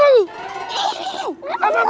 hai hai hingga b penyakit